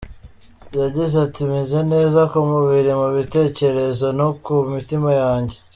Yagize ati: "Meze neza ku mubiri, mu bitekerezo no ku mutima wanjye.